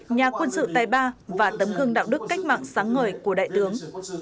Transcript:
nhà quân sự tài ba và tấm gương đạo đức cách mạng sáng ngời của đại tướng